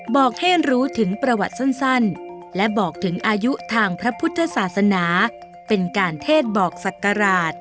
บอกให้รู้ถึงประวัติสั้นและบอกถึงอายุทางพระพุทธศาสนาเป็นการเทศบอกศักราช